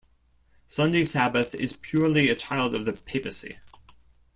Sunday Sabbath is purely a child of the Papacy.